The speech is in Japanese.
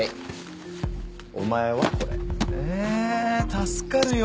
助かるよ。